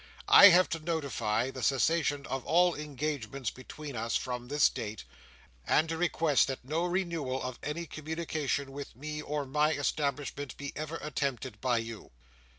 I have to notify the cessation of all engagements between us, from this date, and to request that no renewal of any communication with me, or my establishment, be ever attempted by you.